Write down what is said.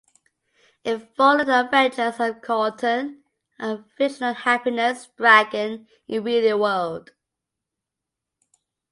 It followed the adventures of Chorlton, a fictional happiness dragon, in Wheelie World.